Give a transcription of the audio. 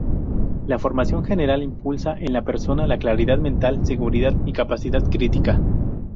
La formación general impulsa en la persona la claridad mental, seguridad y capacidad crítica.